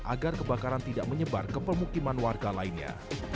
agar kebakaran tidak menyebar ke pemukiman warga lainnya